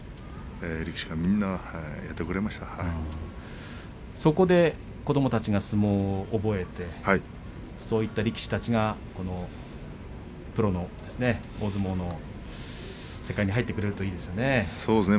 力士がみんなそこで子どもたちが相撲を覚えて、そういった力士たちがこのプロの大相撲の世界に入ってくれるといいですよね。